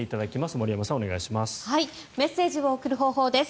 森山さん、お願いします。